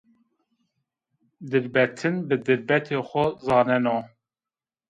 Dirbetin bi dirbetê xo zaneno